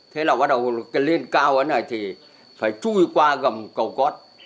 thế là bắt đầu lên cao ở này thì phải chui qua gầm cầu cốt